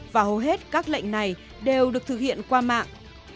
và hầu hết các lệnh này đều được thực hiện qua mạng